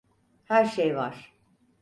Her şey var.